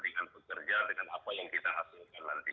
dengan pekerja dengan apa yang kita hasilkan nanti